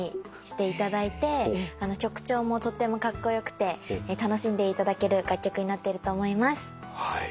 曲調もとってもカッコ良くて楽しんでいただける楽曲になっていると思います。